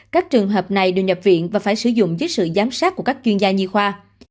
các trường hợp này được nhập viện và phải sử dụng dưới sự giám sát của các chuyên gia nhi khoa